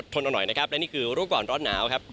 นเอาหน่อยนะครับและนี่คือรูปก่อนร้อนหนาวครับ